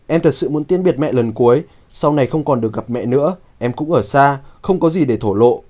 em thật sự muốn tiến biệt mẹ lần cuối sau này không còn được gặp mẹ nữa em cũng ở xa không có gì để thổ lộ